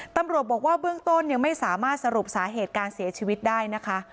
ตำรวจบอกว่าเบื้องต้นยังไม่สามารถสรุปสาเหตุการเสียชีวิตได้นะคะ